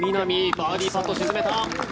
バーディーパット、沈めた。